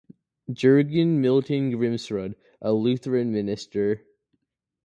Jurgen Milton Grimsrud, a Lutheran minister.